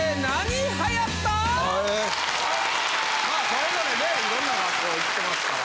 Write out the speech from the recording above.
それぞれねいろんな学校行ってますから。